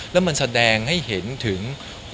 แล้วมันแสดงให้เห็นถึง